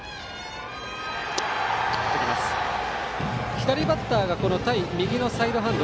左バッターが対右のサイドハンド。